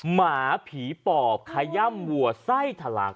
หมาผีปอบขย่ำวัวไส้ทะลัก